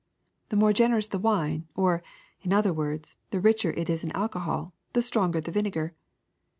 The more generous the wine, or, in other words, the richer it is in alcohol, the stronger the vinegar.